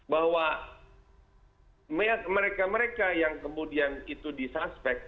bahwa mereka mereka yang kemudian itu disuspek